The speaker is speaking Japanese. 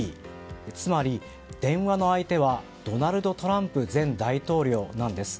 つまり、電話の相手はドナルド・トランプ前大統領です。